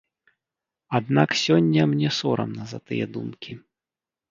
Аднак сёння мне сорамна за тыя думкі.